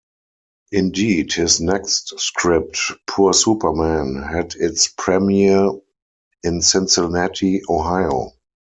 Indeed, his next script, "Poor Super Man", had its premiere in Cincinnati, Ohio.